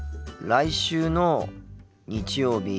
来週の日曜日。